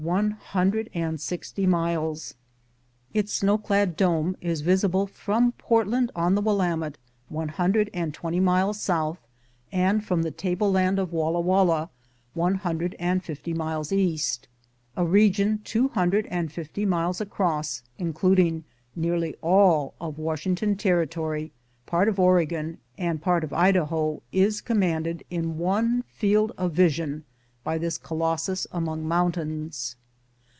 95 MOUNT RAINIER dome is visible from Portland on the Willamette, one hundred and twenty miles south, and from the table land of Walla Walla, one hundred and fifty miles east. A region two hundred and fifty miles across, including nearly all of Washington Territory, part of Oregon, and part of Idaho, is commanded in one field of vision by tnis colossus among mountains.